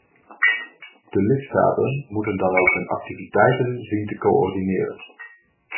De lidstaten moeten dan ook hun activiteiten zien te coördineren.